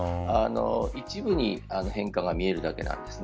一部に変化が見えるだけなんですね。